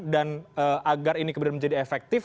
dan agar ini kemudian menjadi efektif